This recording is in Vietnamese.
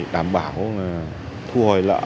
đảm bảo thu hồi lỡ